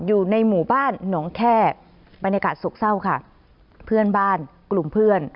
อยู่ในหมู่บ้านหนองแค่บรรยากาศโศกเศร้าค่ะเพื่อนบ้านกลุ่มเพื่อน